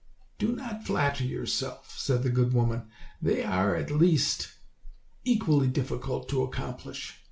"Do not flatter yourself," said the good woman, "they are at least equally difficult to accomplish.